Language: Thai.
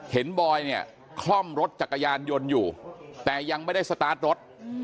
บอยเนี่ยคล่อมรถจักรยานยนต์อยู่แต่ยังไม่ได้สตาร์ทรถ